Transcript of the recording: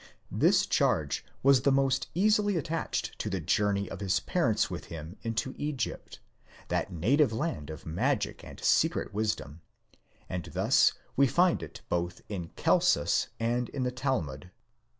This charge was the most easily attached to the journey of his parents with him into Egypt, that native land of magic and secret wisdom, and thus we find it both in Celsus and in the Talmud.